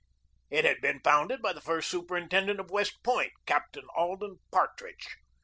It had been founded by the first superintendent of West Point, Captain Alden Partridge.